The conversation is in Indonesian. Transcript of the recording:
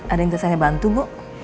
ada yang mau saya bantu bu